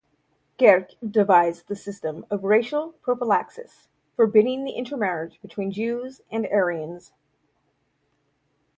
Gercke devised the system of "racial prophylaxis", forbidding the intermarriage between Jews and Aryans.